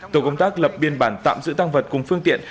tổ công tác lập biên bản tạm giữ tăng vật cùng phương tiện